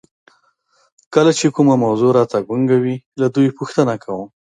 کله چې کومه موضوع راته ګونګه وي له دوی پوښتنه کوم.